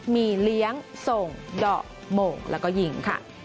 มีเลี้ยงส่งเดาะโหมแล้วก็หญิง